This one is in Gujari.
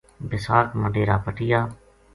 بیساکھ ما ڈیر ا پٹیا